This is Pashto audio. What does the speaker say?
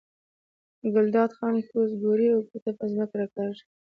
ګلداد خان کوز ګوري او ګوته په ځمکه راکاږي.